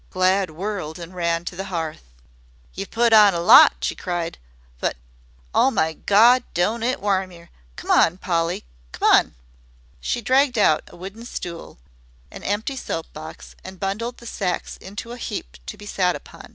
Glad whirled and ran to the hearth. "Ye've put on a lot," she cried; "but, oh, my Gawd, don't it warm yer! Come on, Polly come on." She dragged out a wooden stool, an empty soap box, and bundled the sacks into a heap to be sat upon.